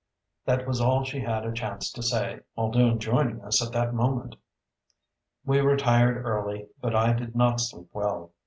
That was all she had a chance to say, Muldoon joining us at that moment. We retired early, but I did not sleep well.